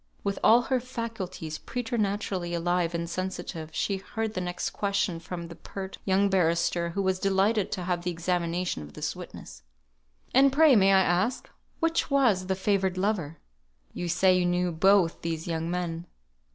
With all her faculties preternaturally alive and sensitive, she heard the next question from the pert young barrister, who was delighted to have the examination of this witness. "And pray, may I ask, which was the favoured lover? You say you knew both these young men.